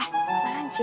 ya apa aja